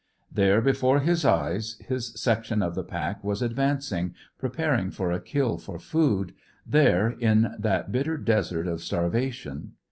There before his eyes his section of the pack was advancing, preparing for a kill for food, there in that bitter desert of starvation.